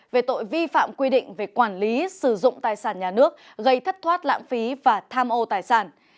về tội vi phạm quy định về quản lý sử dụng tài sản nhà nước gây thất thoát lãng phí và tham ô tài sản